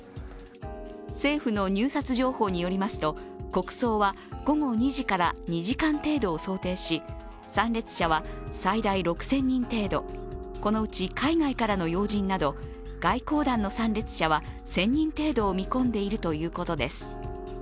政府の入札情報によりますと国葬は午後２時から２時間程度を想定し参列者は最大６０００人程度、このうち海外からの要人など、外交団の参列者は１０００人程度を見込んでいるということです。